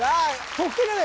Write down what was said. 得点がね